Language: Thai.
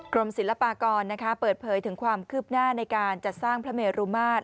ศิลปากรเปิดเผยถึงความคืบหน้าในการจัดสร้างพระเมรุมาตร